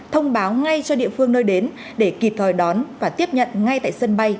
thông báo ngay cho địa phương nơi đến để kịp thời đón và tiếp nhận ngay tại sân bay